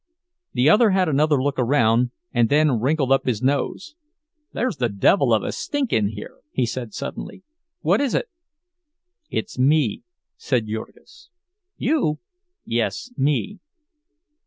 The other had another look around, and then wrinkled up his nose. "There's the devil of a stink in here," he said, suddenly. "What is it?" "It's me," said Jurgis. "You?" "Yes, me."